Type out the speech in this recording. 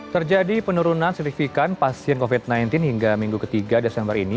terjadi penurunan signifikan pasien covid sembilan belas hingga minggu ketiga desember ini